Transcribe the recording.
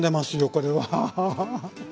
これは。